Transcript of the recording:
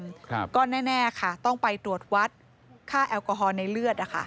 ครับก็แน่แน่ค่ะต้องไปตรวจวัดค่าแอลกอฮอลในเลือดอ่ะค่ะ